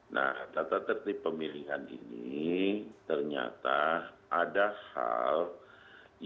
nah tata tertib pemilihan ini ternyata ada hal yang